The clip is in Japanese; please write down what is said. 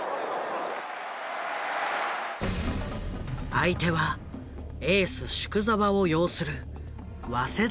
相手はエース宿沢を擁する早稲田大学。